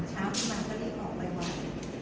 เช้าขึ้นมาก็รีบออกไว้วัน